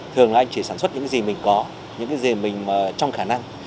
thường là anh chỉ sản xuất những gì mình có những cái gì mình trong khả năng